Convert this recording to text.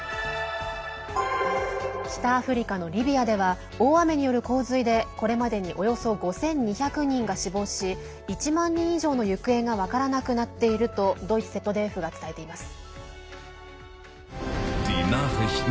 北アフリカのリビアでは大雨による洪水でこれまでにおよそ５２００人が死亡し１万人以上の行方が分からなくなっているとドイツＺＤＦが伝えています。